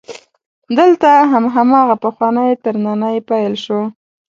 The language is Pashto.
دلته هم هماغه پخوانی ترننی پیل شو.